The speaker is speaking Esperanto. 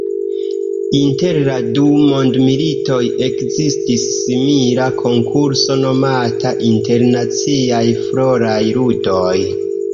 Inter la du mondmilitoj ekzistis simila konkurso nomata Internaciaj Floraj Ludoj.